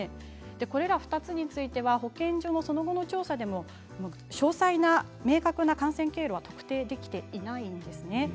この２つの事例に関しては保健所のその後の調査でも詳細な明確な感染経路は特定できていないんです。